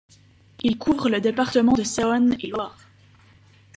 Il couvre le département de Saône-et-Loire.